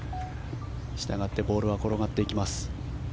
したがってボールは転がっていきます。